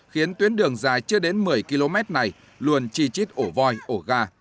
khiến tuyến đường dài chưa đến một mươi km này luôn chi chít ổ voi ổ gà